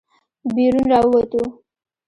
بېرون راووتو.